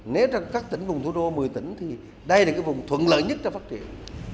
nếu trong các tỉnh vùng thủ đô một mươi tỉnh thì đây là cái vùng thuận lợi nhất cho phát triển